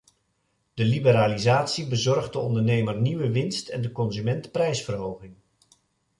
De liberalisatie bezorgt de ondernemer nieuwe winst en de consument prijsverhoging.